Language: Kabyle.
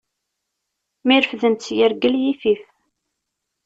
Mi refdent s yirgel yifif.